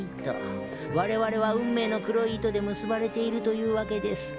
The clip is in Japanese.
われわれは運命の黒い糸で結ばれているというわけです。